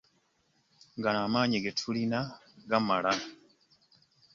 Gano amaanyi ge tulina gamala.